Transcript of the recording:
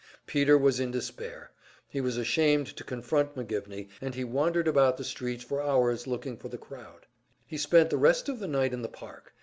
Peter was in despair, he was ashamed to confront McGivney, he wandered about the streets for hours looking for the crowd. He spent the rest of the night in the park.